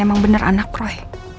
emang benar anak roy